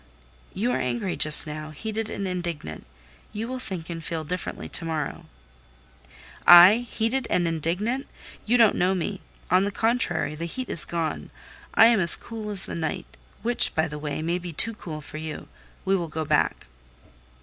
"You are angry just now, heated and indignant; you will think and feel differently to morrow." "I heated and indignant! You don't know me. On the contrary, the heat is gone: I am as cool as the night—which, by the way, may be too cool for you. We will go back."